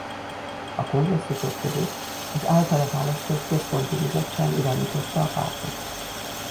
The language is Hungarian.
A kongresszusok között az általa választott Központi Bizottság irányította a pártot.